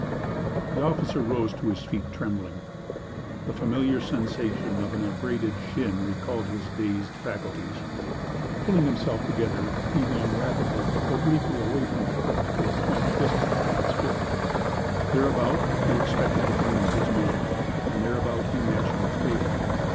The officer rose to his feet, trembling. The familiar sensation of an abraded shin recalled his dazed faculties. Pulling himself together, he ran obliquely away from the cliff to a point distant from its foot; thereabout he expected to find his man; and thereabout he naturally failed.